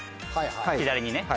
左にね。